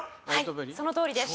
そのとおりです。